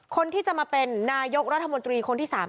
คนที่จะมาเป็นนายกรัฐมนตรีคนที่๓